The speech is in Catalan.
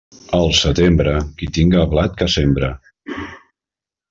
Al setembre, qui tinga blat que sembre.